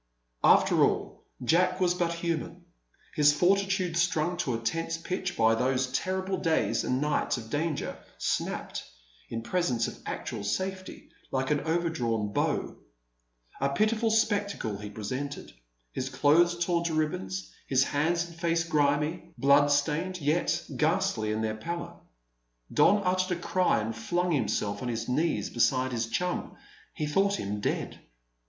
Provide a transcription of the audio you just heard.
After all, Jack was but human. His fortitude, strung to a tense pitch by those terrible days and nights of danger, snapped, in presence of actual safety, like an overdrawn bow. A pitiful spectacle he presented, his clothes torn to ribbons, his hands and face grimy, bloodstained, yet ghastly in their pallor. Don uttered a cry and flung himself on his knees beside his chum. He thought him dead.